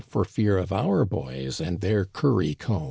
For fear of our boys and their curry comb."